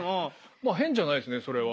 まあ変じゃないですねそれは。